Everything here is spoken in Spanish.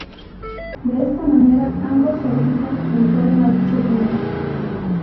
De esta manera ambos orbitan en torno a dicho punto.